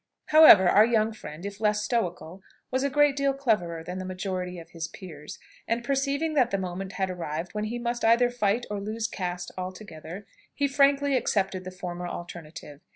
However, our young friend, if less stoical, was a great deal cleverer than the majority of his peers; and perceiving that the moment had arrived when he must either fight or lose caste altogether, he frankly accepted the former alternative.